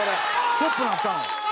「トップになったの？」